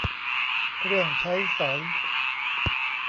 เครื่องใช้สอย